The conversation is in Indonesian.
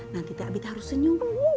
nanti teh abit harus senyum